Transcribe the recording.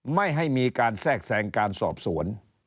ไม่ให้มีการแทรกแทรงการสอบสวน